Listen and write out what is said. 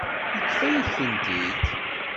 Yefka-yak-tent-id.